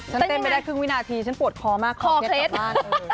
ฉันเต้นไม่ได้ครึ่งวินาทีฉันปวดคอมากคอเค็ดกลับบ้าน